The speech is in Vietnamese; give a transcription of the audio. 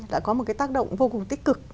đã có một cái tác động vô cùng tích cực